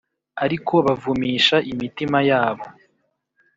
Ariko bavumisha imitima yabo